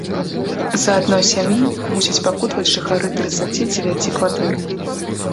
З-за адной сям'і мусяць пакутаваць жыхары трыццаці дзевяці кватэр.